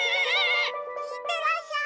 いってらっしゃい！